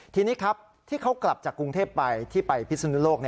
ทีนี้ครับที่เขากลับจากกรุงเทพไปที่ไปพิศนุโลก